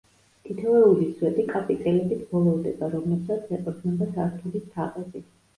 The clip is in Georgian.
თითოეული სვეტი კაპიტელებით ბოლოვდება, რომლებსაც ეყრდნობა სართულის თაღები.